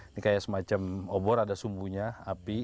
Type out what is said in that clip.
ini kayak semacam obor ada sumbunya api